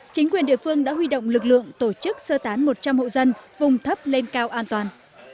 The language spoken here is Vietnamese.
chính quyền địa phương đã huy động lực lượng tổ chức sơ tán một trăm linh hộ dân vùng thấp lên cao an toàn